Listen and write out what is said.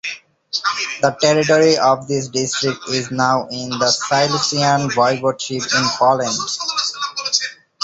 The territory of this district is now in the Silesian Voivodeship in Poland.